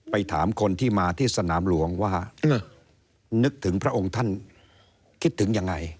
ถามคนที่มาที่สนามหลวงว่านึกถึงพระองค์ท่านคิดถึงยังไง